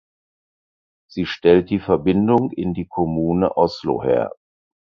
Sie stellt die Verbindung in die Kommune Oslo her.